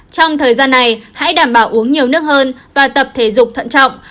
trong thời gian này hãy đảm bảo uống nhiều nước hơn và tập thể dục thận trọng